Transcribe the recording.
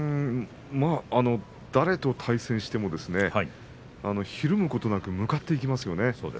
誰と対戦してもひるむことなく向かっていきますよね。